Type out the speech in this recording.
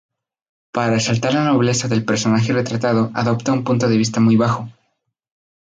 Para resaltar la nobleza del personaje retratado, adopta un punto de vista muy bajo.